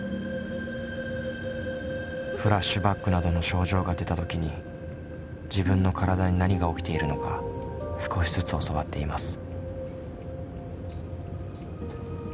フラッシュバックなどの症状が出た時に自分の体に何が起きているのか少しずつ教わっています。